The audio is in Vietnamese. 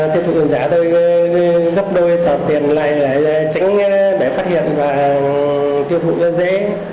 tiêu thụ tiền giả tôi gấp đôi tờ tiền này để phát hiện và tiêu thụ dễ